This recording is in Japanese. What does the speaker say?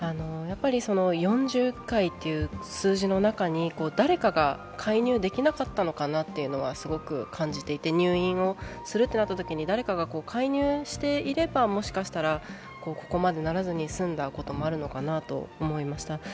４０回という数字の中に誰かが介入できなかったのかなというのがすごく感じていて、入院をするとなったときに誰かが介入していればもしかしたらここまでならずに済んだこともあるのかなと思いました。